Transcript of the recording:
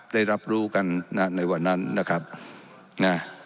ได้รับรู้กันนะในวันนั้นนะครับนะ